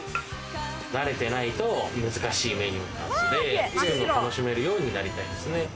慣れてないと難しいメニューなんで作るのを楽しめるようになりたいですね。